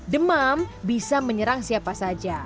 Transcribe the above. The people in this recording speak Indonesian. demam bisa menyerang siapa saja